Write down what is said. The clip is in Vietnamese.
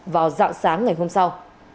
vào dạng sáng ngày hôm sau